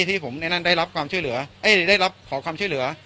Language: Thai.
ที่ผมในนั้นได้รับความช่วยเหลือได้รับขอความช่วยเหลือ